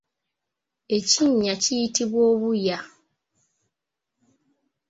Ekinnya kiyitibwa obuya.